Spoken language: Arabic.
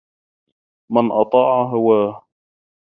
مَنْ أَطَاعَ هَوَاهُ